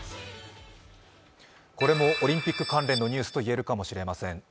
これもオリンピック関連のニュースと言えるかもしれません。